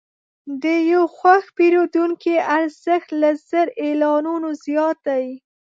د یو خوښ پیرودونکي ارزښت له زر اعلانونو زیات دی.